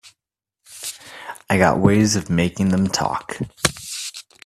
I got ways of making them talk.